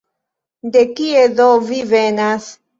De kie do vi venas?